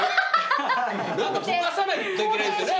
溶かさないといけないんですよね